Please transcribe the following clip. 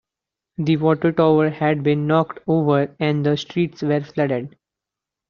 The water tower had been knocked over and the streets were flooded.